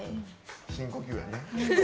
深呼吸やね。